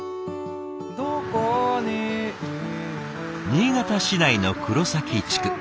新潟市内の黒埼地区。